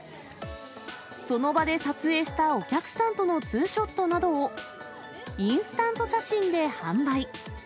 その場で撮影したお客さんとのツーショットなどを、インスタント写真で販売。